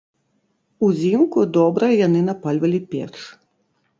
Узімку добра яны напальвалі печ.